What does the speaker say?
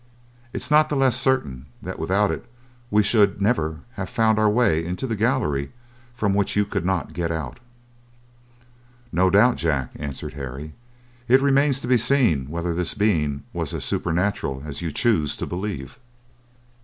It's not the less certain that without it we should never have found our way into the gallery, from which you could not get out." "No doubt, Jack," answered Harry. "It remains to be seen whether this being was as supernatural as you choose to believe."